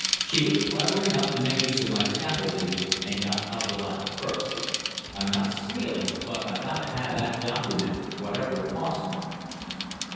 "She was clever enough to make use of my scaffolding, and got up the ladder first. I'm not squealing, but I've got to have that document, whatever it costs me."